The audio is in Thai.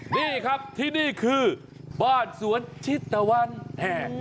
นี่ครับที่นี่คือบ้านสวนชิดตะวันแห่